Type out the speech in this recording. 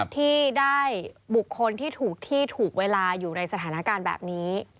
ที่ได้บุคคลที่ถูกที่ถูกเวลาอยู่ในสถานการณ์แบบนี้